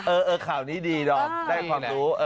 เออข่าวนี้ดีดอมได้ความรู้